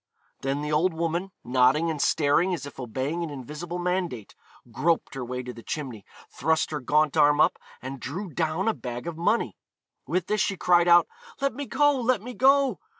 Then the old woman, nodding and staring as if obeying an invisible mandate, groped her way to the chimney, thrust her gaunt arm up, and drew down a bag of money. With this she cried out, 'Let me go! let me go!'